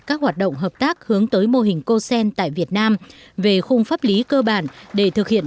các hoạt động hợp tác hướng tới mô hình cosen tại việt nam về khung pháp lý cơ bản để thực hiện